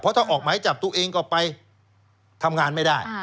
ถ้าออกหมายจับตัวเองก็ไปทำงานไม่ได้